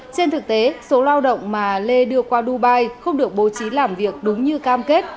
trên thực tế số lao động mà lê đưa qua dubai không được bố trí làm việc đúng như cam kết